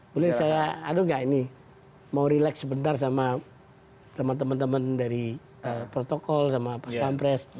boleh saya aduh gak ini mau relax sebentar sama teman teman dari protokol sama pas pampres